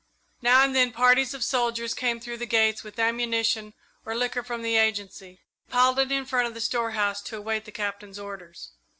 Now and then parties of soldiers came through the gates with ammunition or liquor from the Agency, and piled it in front of the storehouse to await the Captain's orders.